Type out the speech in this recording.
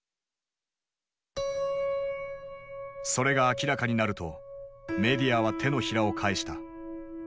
それが明らかになるとメディアは手のひらを返した。